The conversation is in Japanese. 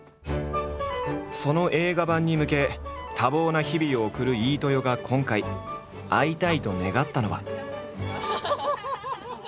その映画版に向け多忙な日々を送る飯豊が今回会いたいと願ったのは。